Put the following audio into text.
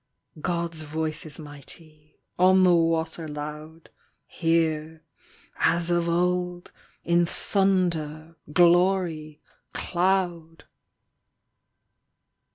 God's voice is mighty, on the water loud, Here, as of old, in thunder, glory, cloud!